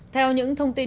theo những thông tin